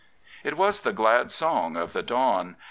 It was the glad song of the dawn.